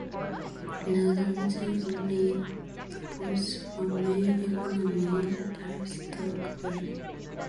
Now the region only supports one main economy, livestock rearing.